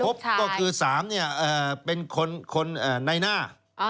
พบก็คือ๓เป็นคนในหน้า